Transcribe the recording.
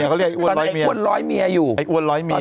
เขาเรียกไอ้อ้วนร้อยเมียตอนนั้นไอ้อ้วนร้อยเมียอยู่ไอ้อ้วนร้อยเมีย